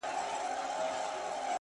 • وچ ډنګر وو له کلونو ژړ زبېښلی,